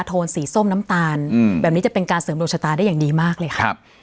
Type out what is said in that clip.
โทนสีส้มน้ำตาลแบบนี้จะเป็นการเสริมดวงชะตาได้อย่างดีมากเลยครับ